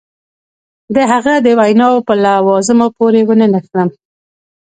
د هغه د ویناوو په لوازمو پورې ونه نښلم.